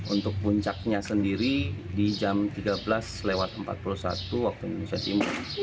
untuk puncaknya sendiri di jam tiga belas lewat empat puluh satu waktu indonesia timur